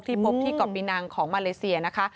พบที่เกาะปีนังของมาเลเซียนะคะ